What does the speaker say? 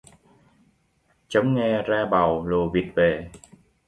Chống ghe ra bàu lùa vịt về